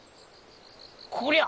こりゃ！